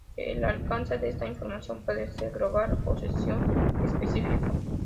El alcance de esta información puede ser global o sesión-específico.